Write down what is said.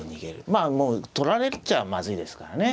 まあもう取られちゃまずいですからね。